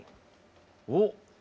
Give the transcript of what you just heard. おっ？